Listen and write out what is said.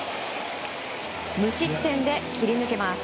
無失点で切り抜けます。